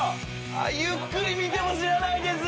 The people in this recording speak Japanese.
ゆっくり見ても知らないです。